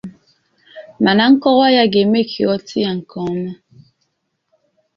mana nkọwa ya ga-eme ka ị ghọta ya nke ọma.